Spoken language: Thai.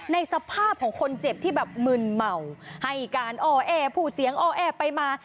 ในสภาพของคนเจ็บที่แบบมึนเมาให้การอ้อแอผูเสียงอ้อแอไปมา